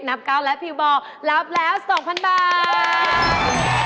นับกาวล์และผิวบอร์รับแล้ว๒๐๐๐บาท